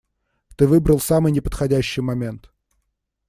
Ты выбрал самый неподходящий момент.